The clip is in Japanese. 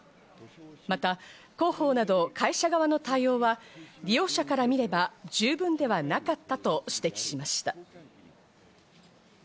また広報など会社側の対応は、利用者から見れば十分ではなかったと指摘しました。